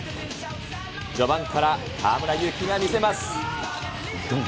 序盤から河村勇輝が見せます。